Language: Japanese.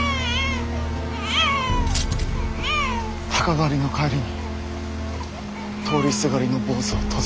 鷹狩りの帰りに通りすがりの坊主を突然。